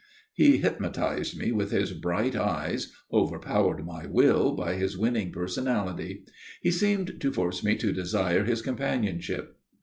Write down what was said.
He hypnotized me with his bright eyes, overpowered my will by his winning personality. He seemed to force me to desire his companionship.